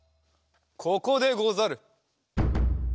ここでござる！